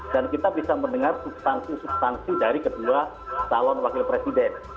dan kita bisa mendengar substansi substansi dari kedua talon wakil presiden